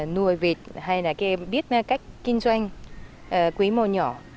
nuôi vịt hay là cái biết cách kinh doanh quý môn nhỏ